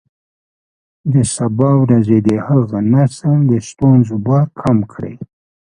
د سبا ورځې د هغه نسل د ستونزو بار کم کړئ.